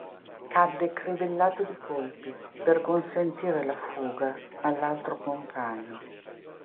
Cadde crivellato di colpi, per consentire la fuga all'altro compagno.